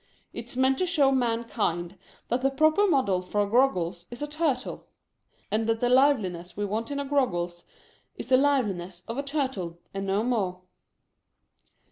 It's meant to show mankind that the proper model for a Groggles is a Turtle ; and that the liveliness we want in a Groggles is the liveliness of a Turtle, and no more."